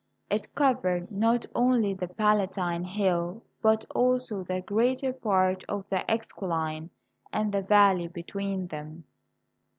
It covered not only the Palatine Hill but also the greater part of the Esquiline and the valley between them.